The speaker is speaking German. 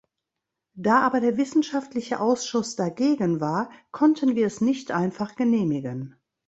Da aber der Wissenschaftliche Ausschuss dagegen war, konnten wir es nicht einfach genehmigen.